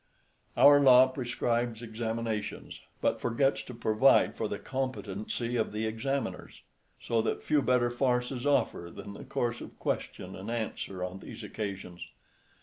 Our law prescribes examinations, but forgets to provide for the competency of the examiners; so that few better farces offer than the course of question and answer on these occasions.